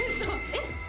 えっ！？